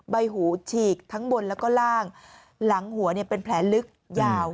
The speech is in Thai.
ใบหูฉีกทั้งบนแล้วก็ล่างหลังหัวเป็นแผลลึกยาว